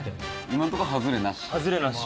今んとこ外れなし？